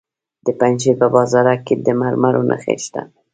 د پنجشیر په بازارک کې د مرمرو نښې شته.